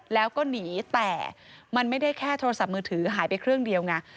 แล้วก็หนีแต่มันไม่ได้แค่โทรศัพท์มือถือหายไปเครื่องเดียวไง